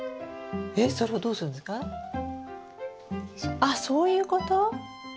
あそういうこと？